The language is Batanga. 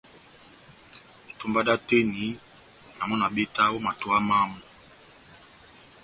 Itómba dá oteni, na mɔ́ na betaha ó matowa mámu.